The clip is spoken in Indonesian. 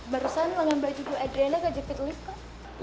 barusan lengan baju bu adriana gak jepit ulit pak